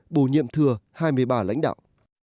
bổ nhiệm thừa hai mươi ba lãnh đạo